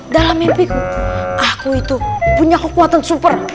dalam mimpiku aku itu punya kekuatan super